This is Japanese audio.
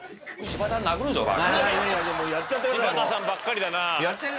柴田さんばっかりだなぁ。